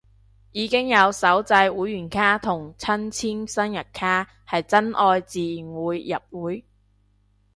已經有手製會員卡同親簽生日卡，係真愛自然會入會